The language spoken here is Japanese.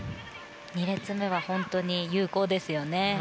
２列目は本当に有効ですよね。